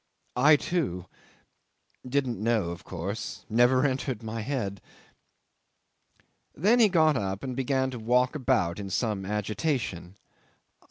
... I too ... didn't know, of course ... never entered my head ..." 'Then he got up and began to walk about in some agitation.